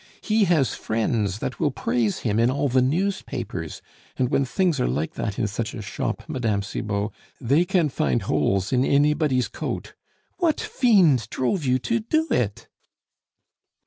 "He has friends that will praise him in all the newspapers; and when things are like that in such a shop, Mme. Cibot, they can find holes in anybody's coat. ... What fiend drove you to do it?"